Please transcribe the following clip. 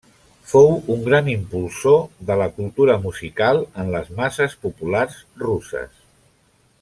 Fou un gran impulsor de la cultura musical en les masses populars russes.